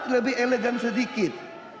lebih elegan sedikit